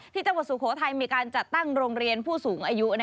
จังหวัดสุโขทัยมีการจัดตั้งโรงเรียนผู้สูงอายุ